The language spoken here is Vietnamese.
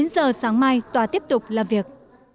chín giờ sáng mai tòa tiếp tục làm việc